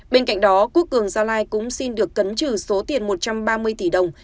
bên cạnh đó quốc cường gia lai cũng xin được cấn trừ số tiền một trăm ba mươi tỷ đồng